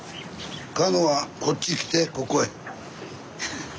カノアこっち来てここへ。